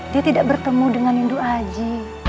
dia tidak bertemu dengan nindu aji